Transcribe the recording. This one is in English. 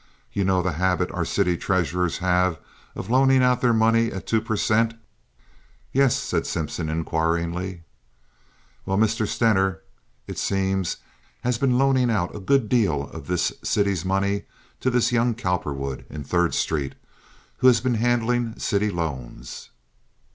You know the habit our city treasurers have of loaning out their money at two per cent.?" "Yes?" said Simpson, inquiringly. "Well, Mr. Stener, it seems, has been loaning out a good deal of the city's money to this young Cowperwood, in Third Street, who has been handling city loans."